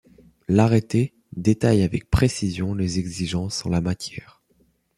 L'arrêté détaille avec précisions les exigences en la matière.